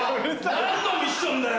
何のミッションだよ。